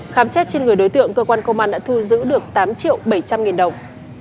khám xét trên người đối tượng cơ quan công an đã thu giữ được tám triệu bảy trăm linh nghìn đồng